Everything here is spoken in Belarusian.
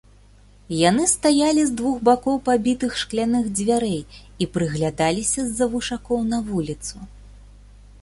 Яны стаялі з двух бакоў пабітых шкляных дзвярэй і прыглядаліся з-за вушакоў на вуліцу.